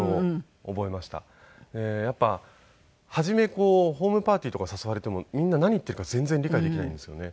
やっぱり初めホームパーティーとか誘われてもみんな何言っているか全然理解できないんですよね。